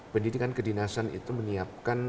pendidikan kedinasan itu menyiapkan